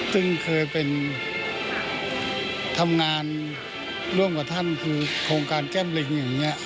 ซึ่งเคยเป็นทำงานร่วมกับท่านคือโครงการแก้มลิงอย่างนี้